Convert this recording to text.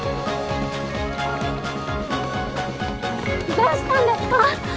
どうしたんですか？